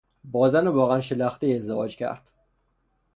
با زن واقعا شلختهای ازدواج کرد.